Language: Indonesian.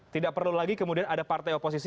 tidak perlu lagi kemudian ada partai oposisi